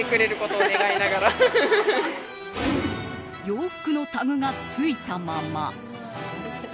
洋服のタグがついたまま。